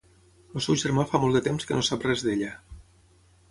El seu germà fa molt de temps que no sap res d'ella.